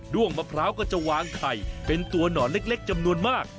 ้วงมะพร้าวก็จะวางไข่เป็นตัวหนอนเล็กจำนวนมาก